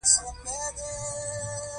دځوانۍ داور لمبي را کې تازه کړه